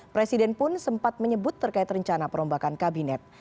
presiden pun sempat menyebut terkait rencana perombakan kabinet